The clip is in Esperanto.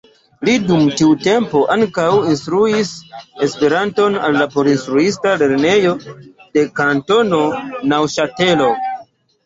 Li dum tiu tempo ankaŭ instruis Esperanton al la porinstruista lernejo de Kantono Neŭŝatelo.